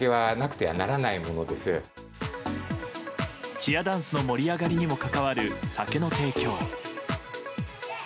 チアダンスの盛り上がりにも関わる酒の提供。